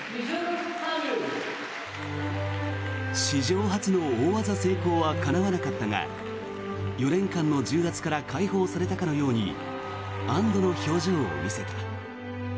史上初の大技成功はかなわなかったが４年間の重圧から解放されたかのように安どの表情を見せた。